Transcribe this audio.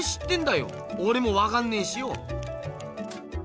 おれもわかんねえしよ。